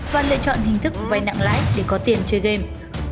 và lựa chọn hình thức vay nặng lãi để có tiền chơi game